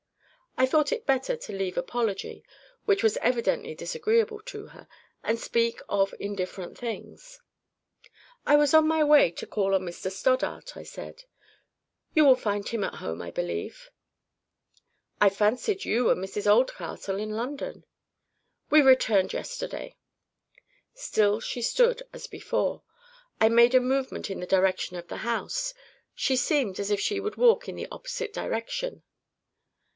I thought it better to leave apology, which was evidently disagreeable to her, and speak of indifferent things. "I was on my way to call on Mr Stoddart," I said. "You will find him at home, I believe." "I fancied you and Mrs Oldcastle in London." "We returned yesterday." Still she stood as before. I made a movement in the direction of the house. She seemed as if she would walk in the opposite direction.